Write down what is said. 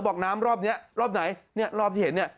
บอกน้ำรอบนี้รอบไหนเนี่ยรอบที่เห็นเนี่ย